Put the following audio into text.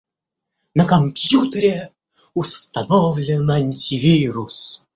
На компьютере установлен антивирус